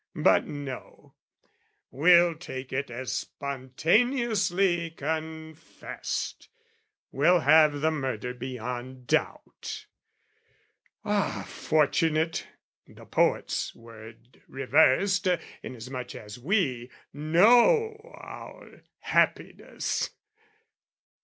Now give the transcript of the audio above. But no, we'll take it as spontaneously Confessed: we'll have the murder beyond doubt. Ah, fortunate (the poet's word reversed) Inasmuch as we know our happiness!